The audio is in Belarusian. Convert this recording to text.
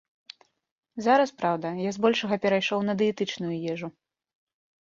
Зараз, праўда, я з большага перайшоў на дыетычную ежу.